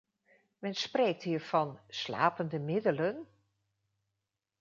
Men spreekt hier van 'slapende middelen?.